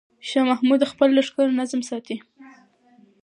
شاه محمود د خپل لښکر نظم ساتي.